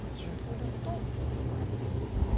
取ると。